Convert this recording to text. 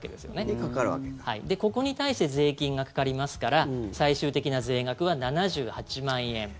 で、ここに対して税金がかかりますから最終的な税額は７８万円。